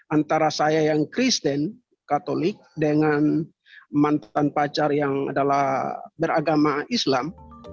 antara saya yang kristen katolik dengan mantan pacar yang adalah beragama islam